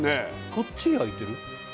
こっち焼いてる？